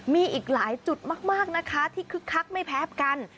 มีอีกหลายจุดมากนะคะที่คึกคักไม่แพ้กัน